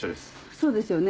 そうですよね。